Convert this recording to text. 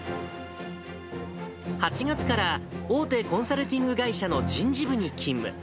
８月から大手コンサルティング会社の人事部に勤務。